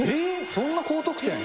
そんな高得点？